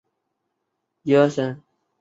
作词及作曲时会使用本名巽明子。